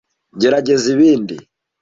Gerageza ibindi.